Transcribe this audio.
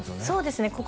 そうですね